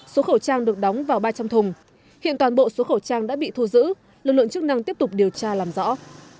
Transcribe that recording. số khẩu trang được đóng vào ba trăm linh thùng hiện toàn bộ số khẩu trang đã bị thu giữ lực lượng chức năng tiếp tục điều tra làm rõ